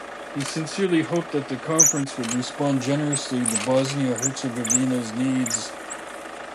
He sincerely hoped that the Conference would respond generously to Bosnia-Herzegovina's needs.